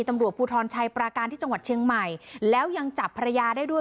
ตำรวจภูทรชัยปราการที่จังหวัดเชียงใหม่แล้วยังจับภรรยาได้ด้วย